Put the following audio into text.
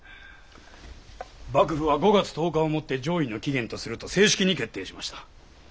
幕府は「５月１０日をもって攘夷の期限とする」と正式に決定しました。